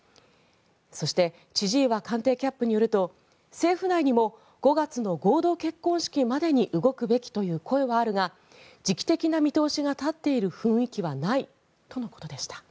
そして千々岩官邸キャップによると政府内にも５月の合同結婚式までに動くべきという声はあるが時期的な見通しが立っている雰囲気はないとのことでした。